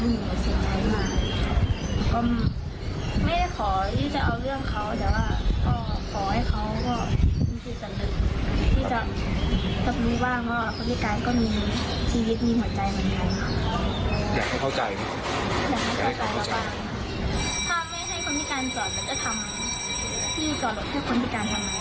ถ้าไม่ให้คนพิการจอดมันจะทำที่จอดรถให้คนพิการทำไม